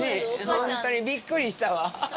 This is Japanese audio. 本当にびっくりしたわ。